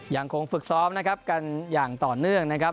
ยังคงฝึกซ้อมนะครับกันอย่างต่อเนื่องนะครับ